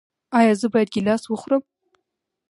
ایا زه باید ګیلاس وخورم؟